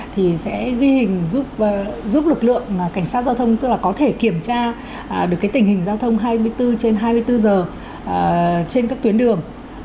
thì sẽ ghi hình giúp lực lượng cảnh sát giao thông có thể kiểm tra được tình hình giao thông hai mươi bốn h trên hai mươi bốn h trên các tuyến đường